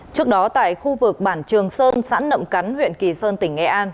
trước đó tại khu vực bản trường sơn xã nậm cắn huyện kỳ sơn tỉnh nghệ an